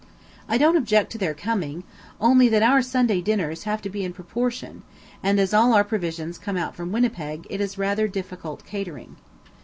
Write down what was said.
I don't object to their coming, only that our Sunday dinners have to be in proportion, and as all our provisions come out from Winnipeg it is rather difficult catering.